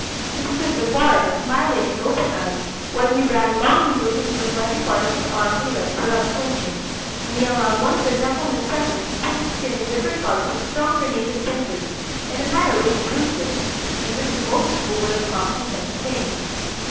He stood before us smiling and open eyed while he ran long needles into the fleshy part of his arms and legs without flinching, and he allowed one of the gentlemen present to pinch his skin in different parts with strong crenated pincers in a manner which bruised it, and which to most people would have caused intense pain.